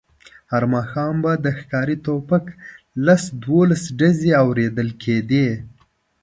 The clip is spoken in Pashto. هر ماښام به د ښکاري ټوپکو لس دولس ډزې اورېدل کېدې.